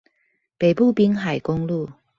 北部濱海公路